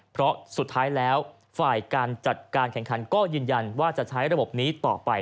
เพราะสุดท้ายแล้วฝ่ายการจัดการแข่งขันก็ยืนยันว่าจะใช้ระบบนี้ต่อไป